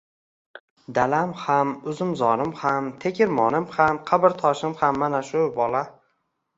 Dalam ham, uzumzorim ham, tegirmonim ham, qabrtoshim ham mana shu bola.